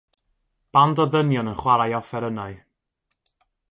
Band o ddynion yn chwarae offerynnau.